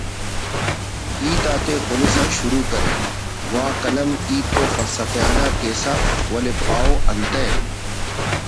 ہیت آتے خلسا شروع کرے واہ قلم ہیت تو فلسفیانہ ءُ کیسہ ولے پاہو انتئے